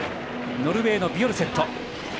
ノルウェーのビョルセット。